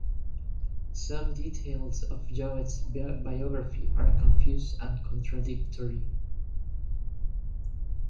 Some details of Llobet's biography are confused and contradictory.